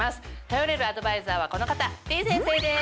頼れるアドバイザーはこの方てぃ先生です。